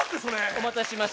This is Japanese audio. お待たせしました！